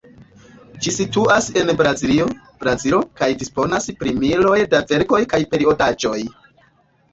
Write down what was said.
Ĝi situas en Braziljo, Brazilo, kaj disponas pri miloj da verkoj kaj periodaĵoj.